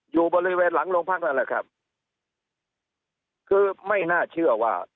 อยู่บริเวณหลังโรงพักนั่นแหละครับคือไม่น่าเชื่อว่า